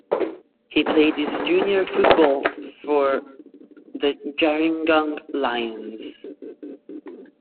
He played his junior football for the Gerringong Lions.